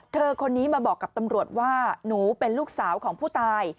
คนนี้มาบอกกับตำรวจว่าหนูเป็นลูกสาวของผู้ตาย